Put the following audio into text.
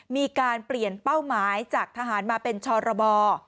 มีการเปลี่ยนเป้าหมายจากทหารมาเป็นชรบ